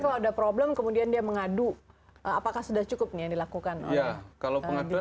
tapi kalau ada problem kemudian dia mengadu apakah sudah cukup nih yang dilakukan oleh bgm ketenagaan listrikan